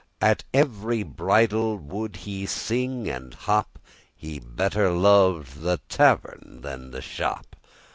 At every bridal would he sing and hop; He better lov'd the tavern than the shop.